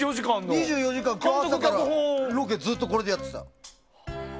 ２４時間、朝からロケをずっとこれでやってた。